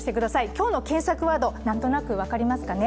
今日の検索ワード、なんとなく分かりますかね